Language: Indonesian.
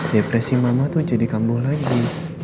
depresi mama tuh jadi kambuh lagi